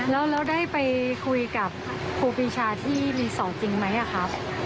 แล้วได้ไปคุยกับครูปีชาที่รีสอร์ทจริงไหมครับ